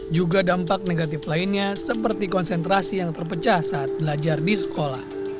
juga dampak negatif lainnya seperti konsentrasi yang terpecah saat belajar di sekolah